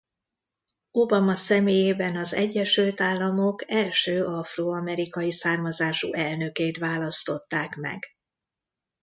Obama személyében az Egyesült Államok első afroamerikai származású elnökét választották meg.